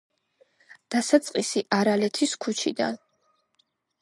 დასაწყისი არალეთის ქუჩიდან.